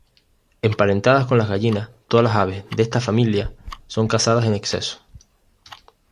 Emparentadas con las gallinas, todas las aves de esta familia son cazadas en exceso.